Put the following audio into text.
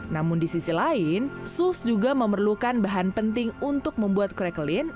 namun di sisi lain sus juga memerlukan bahan penting untuk membuat kurakelin